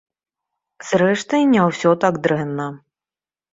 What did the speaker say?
Зрэшты, не ўсё так дрэнна.